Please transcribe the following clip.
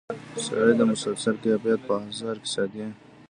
سړی د مسلسل کیفیت په حصار کې ساتي.